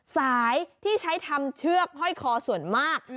สายที่ใช้ทำเชือกห้อยคอส่วนมาก